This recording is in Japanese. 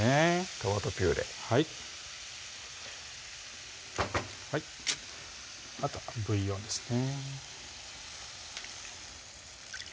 トマトピューレはいはいあとはブイヨンですね